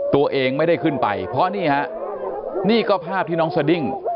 ตัวเองไม่ได้ขึ้นไปเพราะนี่ฮะนี่ก็ภาพที่น้องสดิ้ง